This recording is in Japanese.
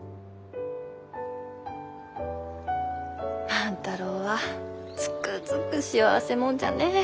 万太郎はつくづく幸せ者じゃね！